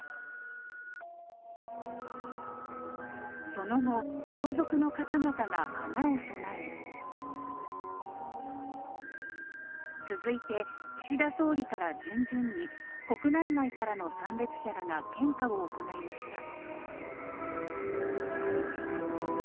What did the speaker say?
その後、皇族の方々が花を供え続いて、岸田総理から順々に国内外からの参列者らが献花を行いました。